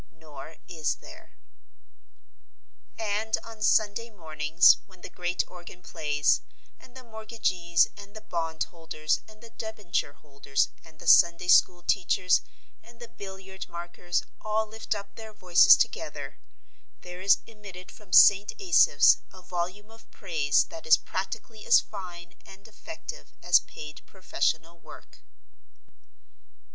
Nor is there. And on Sunday mornings, when the great organ plays, and the mortgagees and the bond holders and the debenture holders and the Sunday school teachers and the billiard markers all lift up their voices together, there is emitted from St. Asaph's a volume of praise that is practically as fine and effective as paid professional work.